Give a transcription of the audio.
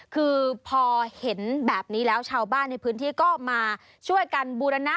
คือพอเห็นแบบนี้แล้วชาวบ้านในพื้นที่ก็มาช่วยกันบูรณะ